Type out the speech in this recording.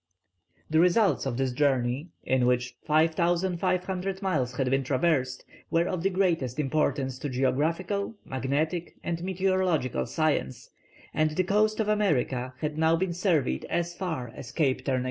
The results of this journey, in which 5500 miles had been traversed, were of the greatest importance to geographical, magnetic, and meteorological science, and the coast of America had been surveyed as far as Cape Turn again.